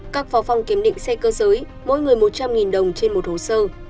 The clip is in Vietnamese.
các phó phòng kiểm định xe cơ giới mỗi người một trăm linh đồng trên một hồ sơ